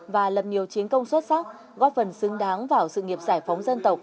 và lập nhiều chiến công xuất sắc góp phần xứng đáng vào sự nghiệp giải phóng dân tộc